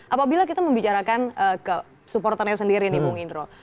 apabila kita membicarakan ke supporternya sendiri nih bung indro